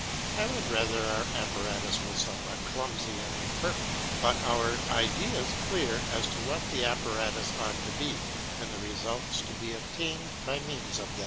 I would rather our apparatus was somewhat clumsy and imperfect, but our ideas clear as to what the apparatus ought to be, and the results to be obtained by means of it.